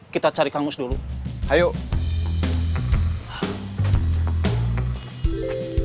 kita cari kamu selalu hayuk